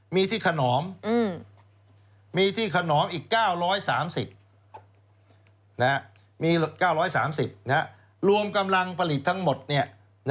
มีที่ขนอมมีที่ขนอมอีก๙๓๐มี๙๓๐รวมกำลังผลิตทั้งหมด